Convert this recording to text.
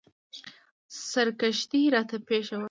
سرګښتۍ راته پېښه وه.